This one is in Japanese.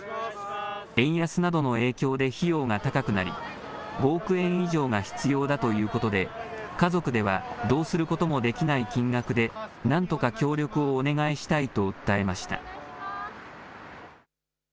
円安などの影響で費用が高くなり、５億円以上が必要だということで、家族ではどうすることもできない金額で、なんとか協力をお願いしたいと訴えました。